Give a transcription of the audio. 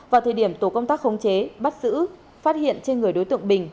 vào thời điểm tổ công tác khống chế bắt giữ phát hiện trên người đối tượng bình